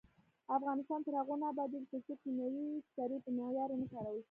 افغانستان تر هغو نه ابادیږي، ترڅو کیمیاوي سرې په معیار ونه کارول شي.